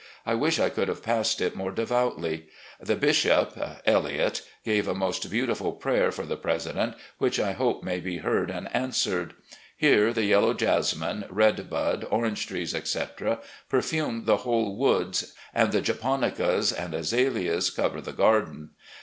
I wish I could have passed it more devoutly. The bishop (Elliott) gave a most beautiful prayer for the President, which I hope may be heard and answered. ... Here the yellow jasmine, red bud, orange tree, etc., perfume the whole woods, and the japonicas and azaleas cover the garden.